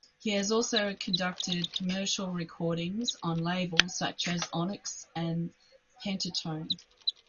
He has also conducted commercial recordings on labels such as Onyx and Pentatone.